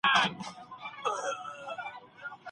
منم چي تاوفا کوله وفاداره وې ته